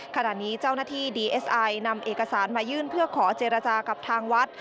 ขณะนี้เจ้าหน้าที่ดีเอสไอนำเอกสารมายื่นเพื่อขอเจรจากับทางวัด